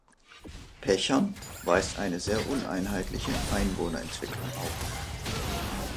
Pechern weist eine sehr uneinheitliche Einwohnerentwicklung auf.